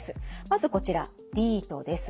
まずこちらディートです。